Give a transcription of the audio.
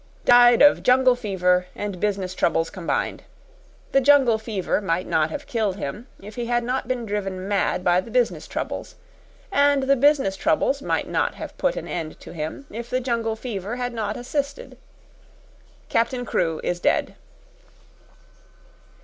"Died of jungle fever and business troubles combined. The jungle fever might not have killed him if he had not been driven mad by the business troubles, and the business troubles might not have put an end to him if the jungle fever had not assisted. Captain Crewe is dead!"